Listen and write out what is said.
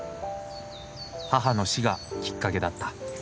母の死がきっかけだった。